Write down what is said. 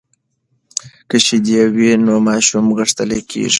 که شیدې وي نو ماشوم غښتلۍ کیږي.